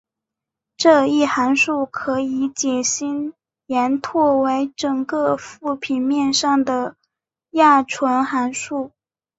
这一函数可以解析延拓为整个复平面上的亚纯函数。